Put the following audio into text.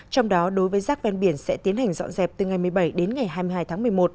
trong đó đối với rác ven biển sẽ tiến hành dọn dẹp từ ngày một mươi bảy đến ngày hai mươi hai tháng một mươi một